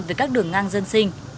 về các đường ngang dân sinh